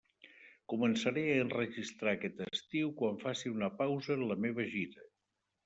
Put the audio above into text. Començaré a enregistrar aquest estiu quan faci una pausa en la meva gira.